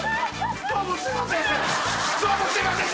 どうもすいません。